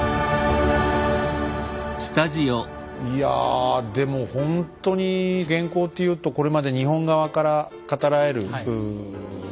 いやでもほんとに元寇っていうとこれまで日本側から語られることがね